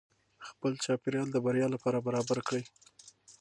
خپل چاپیریال د بریا لپاره برابر کړئ.